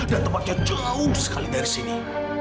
dan tempatnya jauh sekali dari sini